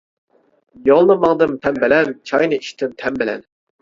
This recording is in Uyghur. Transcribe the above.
يولنى ماڭدىم پەم بىلەن، چاينى ئىچتىم تەم بىلەن.